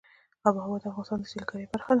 آب وهوا د افغانستان د سیلګرۍ برخه ده.